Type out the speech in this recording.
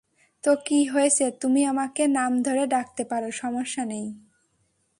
তো কী হয়েছে, তুমি আমাকে নাম ধরে ডাকতে পারো, সমস্যা নেই।